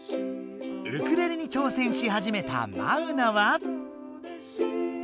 ウクレレに挑戦しはじめたマウナは？